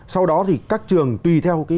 sau đó thì các trường tùy theo